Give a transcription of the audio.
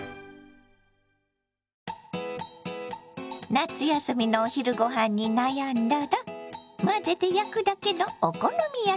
夏休みのお昼ごはんに悩んだら混ぜて焼くだけのお好み焼きはいかが？